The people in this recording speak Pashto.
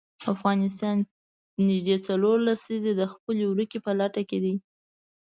افغانستان نژدې څلور لسیزې د خپلې ورکې په لټه کې دی.